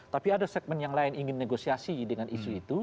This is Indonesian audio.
tapi ada segmen yang lain ingin negosiasi dengan isu itu